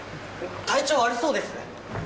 体調悪そうです。